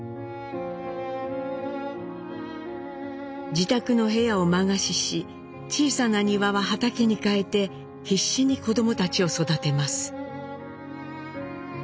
自宅の部屋を間貸しし小さな庭は畑に変えて必死に子供たちを育てます。